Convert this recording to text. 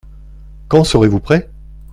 Quand serez-vous prêt ?